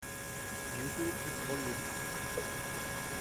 Youtube Hits Vol.